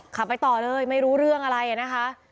ขับไปต่อเลยไม่รู้เรื่องอะไรนะคะ